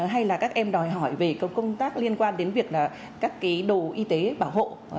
hay là các em đòi hỏi về công tác liên quan đến việc các cái đồ y tế bảo hộ